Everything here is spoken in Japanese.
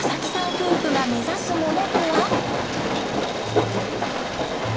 夫婦が目指すものとは？